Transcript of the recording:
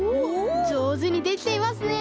じょうずにできていますねえ。